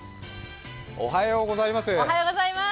おはようございます。